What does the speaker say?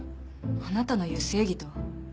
あなたのいう正義とは？